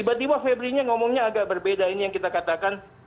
tiba tiba febrinya ngomongnya agak berbeda ini yang kita katakan